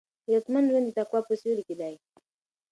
عزتمن ژوند د تقوا په سیوري کې دی.